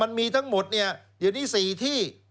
มันมีทั้งหมดอย่างนี้๔ที่